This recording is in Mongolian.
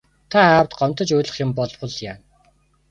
Та аавд гомдож уйлах юм болбол яана.